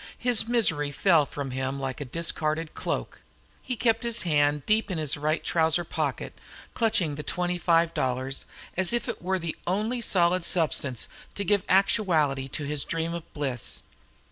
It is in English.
His misery fell from him like a discarded cloak. He kept his hand deep in his right trousers' pocket, clutching the twenty five dollars as if it were the only solid substance to give actuality to his dream of bliss.